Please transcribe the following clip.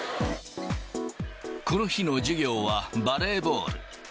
この日の授業はバレーボール。